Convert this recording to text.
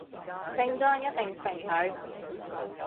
聖莊一定肥佢